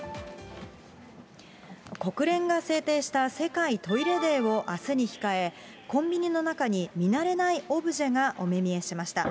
国連が制定した世界トイレデーをあすに控え、コンビニの中に見慣れないオブジェがお目見えしました。